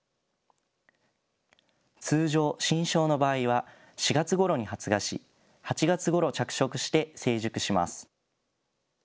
通常、新梢の場合は４月ごろに発芽し、８月ごろ着色して成熟します。